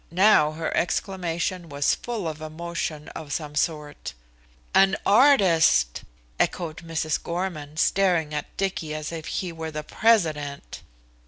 Now her exclamation was full of emotion of some sort. "An artist!" echoed Mrs. Gorman, staring at Dicky as if he were the President.